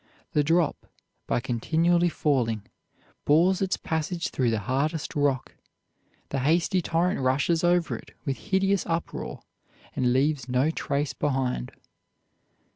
The drop, by continually falling, bores its passage through the hardest rock. The hasty torrent rushes over it with hideous uproar and leaves no trace behind."